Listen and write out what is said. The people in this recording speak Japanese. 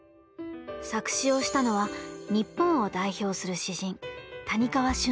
作詞をしたのは日本を代表する詩人谷川俊太郎さんです。